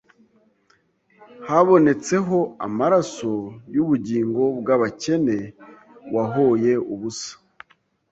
habonetseho amaraso y’ubugingo bw’abakene wahoye ubusa